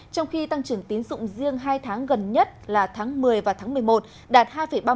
trong khi tăng trưởng tín dụng riêng hai tháng gần nhất là tháng một mươi và tháng một mươi một đạt hai ba mươi